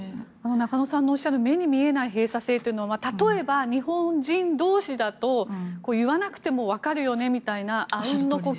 中野さんのおっしゃる目に見えない閉鎖性というのは例えば、日本人同士だと言わなくてもわかるよねみたいなあうんの呼吸。